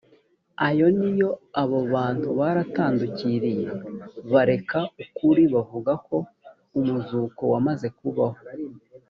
ayo ni yoabo bantu baratandukiriye bareka ukuri bavuga ko umuzuko wamaze kubaho